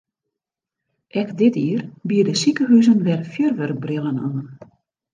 Ek dit jier biede sikehuzen wer fjurwurkbrillen oan.